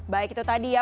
baik itu tadi ya